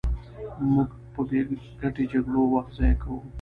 موږ په بې ګټې جګړو وخت ضایع کوو.